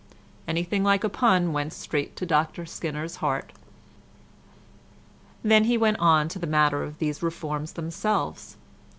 Anything like a pun went straight to Dr Skinner's heart. Then he went on to the matter of these reforms themselves.